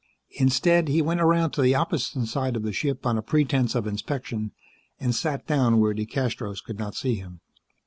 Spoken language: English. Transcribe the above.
Instead, he went around to the opposite side of the ship on a pretense of inspection, and sat down where DeCastros could not see him.